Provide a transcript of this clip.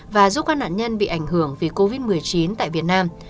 và giúp các nạn nhân bị ảnh hưởng vì covid một mươi chín tại việt nam